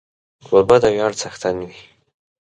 کوربه د ویاړ څښتن وي.